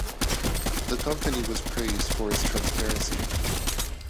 The company was praised for its transparency.